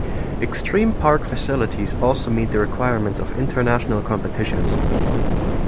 Extreme park facilities also meet the requirements of international competitions.